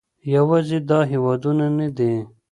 یوازې دا هېوادونه نه دي